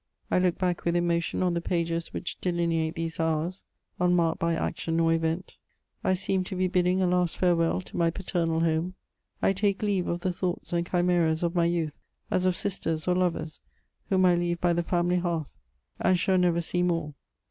I look back with emotion on the pages which delineate these hours, unmarked by action or event ; I seem to be bidding a last farewell to my paternal home ; I take leave of the thoughts and chimeras of my youth, as of sisters or lovers, whom I leave by the family hearth, and shall never see more.